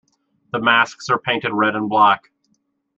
The masks are painted red and black.